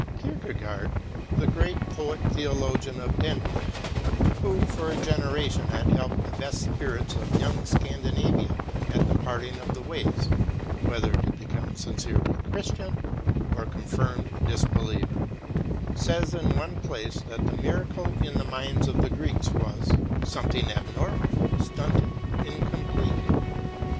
Kierkegaard, the great poet theologian of Den mark, who, for a generation, had helped the best spirits of young Scandinavia at the parting of the ways ŌĆö ^whether to become sincerely Christian or confirmed disbeliever ŌĆö says in one place that the miracle in the minds of the Greeks was "something abnormal, stunted, incomplete